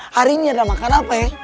hari ini ada makan apa ya